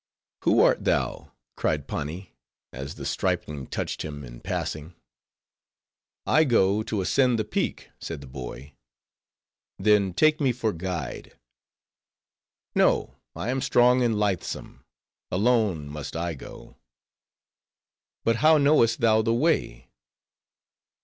"Who art thou?" cried Pani, as the stripling touched him in passing. "I go to ascend the Peak," said the boy. "Then take me for guide." "No, I am strong and lithesome. Alone must I go." "But how knowest thou the way?"